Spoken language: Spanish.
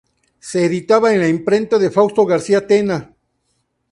Se editaba en la imprenta de Fausto García Tena.